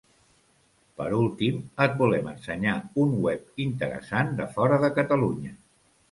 Per últim, et volem ensenyar un web interessant de fora de Catalunya.